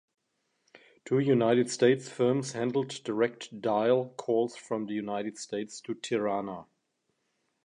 Two United States firms handled direct-dial calls from the United States to Tirana.